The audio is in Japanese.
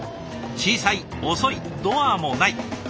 小さい遅いドアもない。